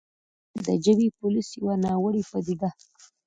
د «ژبې پولیس» يوه ناوړې پديده